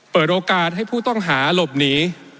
เปิดโอกาสให้ผู้ต้องหาหลบหนี